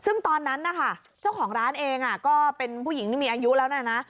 ซึ่งตอนนั้นนะคะเจ้าของร้านเองก็เป็นผู้หญิงที่มีอายุแล้วนะ